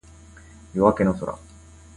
夜明けの空